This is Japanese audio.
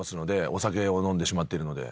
お酒を飲んでしまっているので。